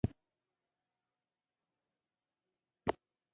د ملګرو سره صادق او رښتینی اوسېدل اړین دي.